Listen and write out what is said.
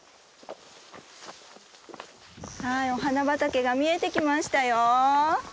はいお花畑が見えてきましたよ。